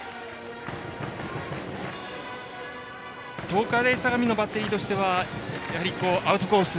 東海大相模のバッテリーとしてはやはりアウトコース